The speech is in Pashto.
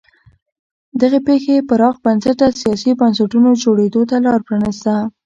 دغې پېښې پراخ بنسټه سیاسي بنسټونو جوړېدو ته لار پرانیسته.